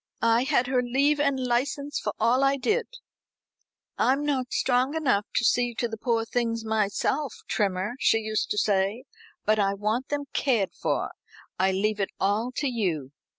I had her leave and license for all I did. 'I'm not strong enough to see to the poor things myself, Trimmer,' she used to say, 'but I want them cared for. I leave it all to you.'"